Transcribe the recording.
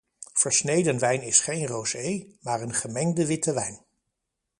Versneden wijn is geen rosé, maar een gemengde witte wijn.